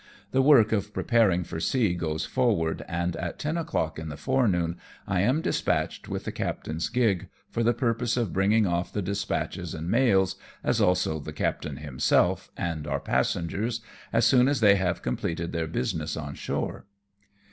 The work of preparing for sea goes forward, and at ten o'clock in the forenoon I am dispatched with the captain's gig, for the purpose of bringing off the dispatches and mails, as also the captain himself and our passengers, as soon as they have completed their business on shore.